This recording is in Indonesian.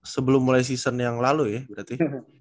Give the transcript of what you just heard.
sebelum mulai season yang lalu ya berarti